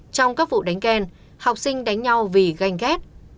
trong các vụ đánh ken học sinh đánh nhau vì ganh ghét